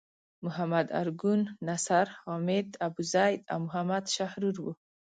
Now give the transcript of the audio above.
محمد ارګون، نصر حامد ابوزید او محمد شحرور وو.